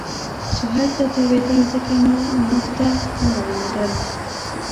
سهېل ته تاوېدل، ځکه نو موږ ته نه معلومېدل.